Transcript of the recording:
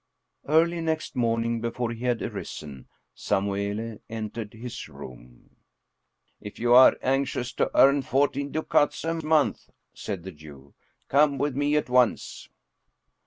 Early next morning, before he had arisen, Samuele entered his room. " If you are anxious to earn fourteen ducats a month," said the Jew, " come with me at once."